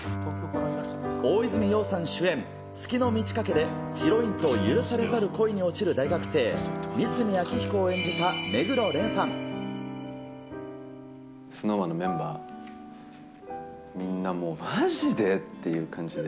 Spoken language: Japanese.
大泉洋さん主演、月の満ち欠けで、ヒロインと許されざる恋に落ちる大学生、ＳｎｏｗＭａｎのメンバーみんなも、まじでっていう感じで。